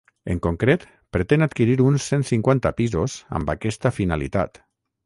En concret, pretén adquirir uns cent cinquanta pisos amb aquesta finalitat.